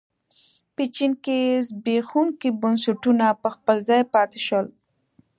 په چین کې زبېښونکي بنسټونه په خپل ځای پاتې شول.